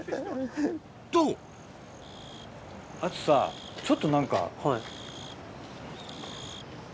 とあとさちょっと何か。